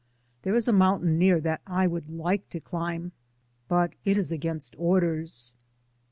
There is a mountain near that I would like to climb, but it is against orders.